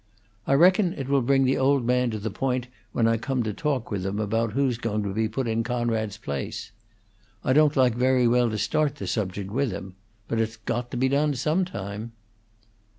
I reckon it will bring the old man to the point when I come to talk with him about who's to be put in Coonrod's place. I don't like very well to start the subject with him; but it's got to be done some time."